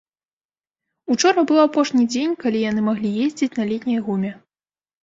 Учора быў апошні дзень, калі яны маглі ездзіць на летняй гуме.